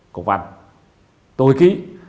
công văn tôi ký